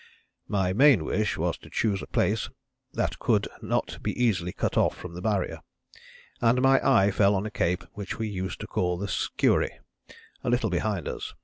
My main wish was to choose a place that would not be easily cut off from the Barrier, and my eye fell on a cape which we used to call the Skuary, a little behind us.